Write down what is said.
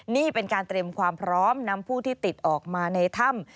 นี่เป็นการเตรียมความพร้อมนำผู้ที่ติดออกมาในถ้ำ